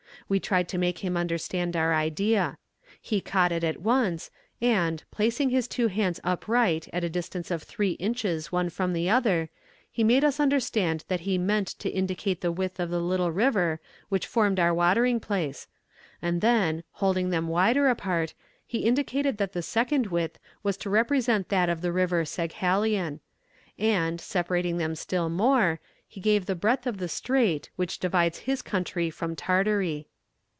We tried to make him understand our idea. He caught at it at once, and, placing his two hands upright at a distance of three inches one from the other, he made us understand that he meant to indicate the width of the little river which formed our watering place; and then, holding them wider apart, he indicated that the second width was to represent that of the river Saghalien; and, separating them still more, he gave the breadth of the strait which divides his country from Tartary.